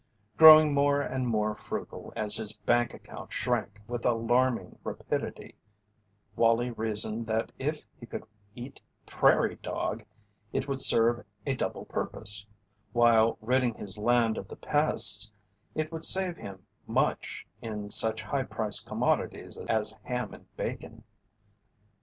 Growing more and more frugal as his bank account shrank with alarming rapidity, Wallie reasoned that if he could eat prairie dog it would serve a double purpose: While ridding his land of the pests it would save him much in such high priced commodities as ham and bacon.